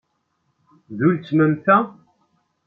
D uletma-m ta?